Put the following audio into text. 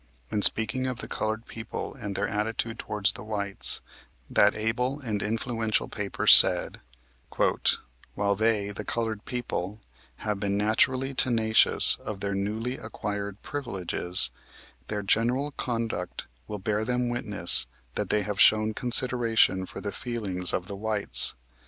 In speaking of the colored people and their attitude towards the whites, that able and influential paper said: "While they [the colored people] have been naturally tenacious of their newly acquired privileges, their general conduct will bear them witness that they have shown consideration for the feelings of the whites.